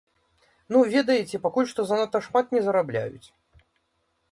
Ну ведаеце, пакуль што занадта шмат не зарабляюць.